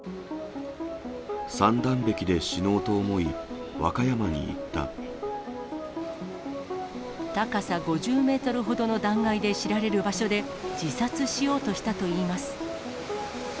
三段壁で死のうと思い、高さ５０メートルほどの断崖で知られる場所で、自殺しようとしたといいます。